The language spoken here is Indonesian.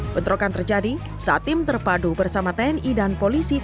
bentrokan terjadi saat tim terpadu bersama tni dan polisi